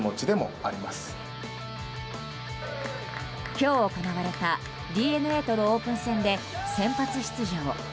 今日行われたＤｅＮＡとのオープン戦で先発出場。